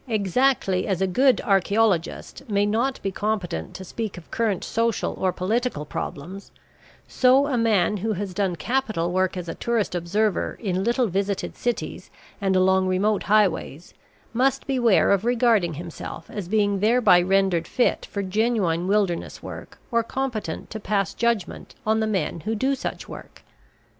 Exactly as a good archaeologist may not be competent to speak of current social or political problems, so a man who has done capital work as a tourist observer in little visited cities and along remote highways must beware of regarding himself as being thereby rendered fit for genuine wilderness work or competent to pass judgment on the men who do such work.